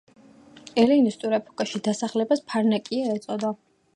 ელინისტურ ეპოქაში დასახლებას ფარნაკია ეწოდა.